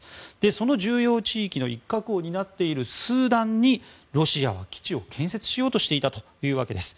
その重要地域の一角を担っているスーダンにロシアは基地を建設しようとしていたというわけです。